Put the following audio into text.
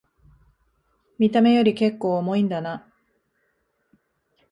見た目よりけっこう重いんだな